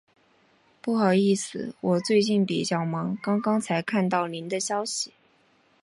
不好意思，我最近比较忙，刚刚才看到您的信息。